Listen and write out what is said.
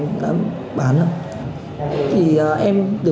các đối tượng vô bán lận chất ma túy